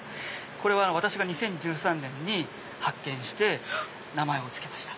私が２０１３年に発見して名前を付けました。